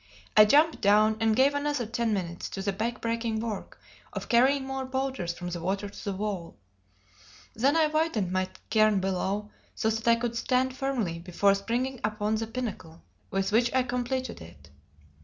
I jumped down and gave another ten minutes to the back breaking work of carrying more boulders from the water to the wall. Then I widened my cairn below, so that I could stand firmly before springing upon the pinnacle with which I completed it.